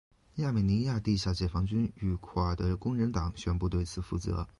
亚美尼亚地下解放军与库尔德工人党宣布对此负责。